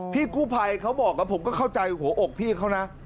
พี่กู้ภัยเขาบอกกับผมก็เข้าใจหัวอกพี่เขานะ